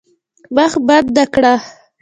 مخ بنده کړه.